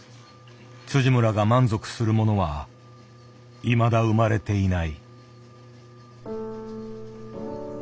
村が満足するものはいまだ生まれていない。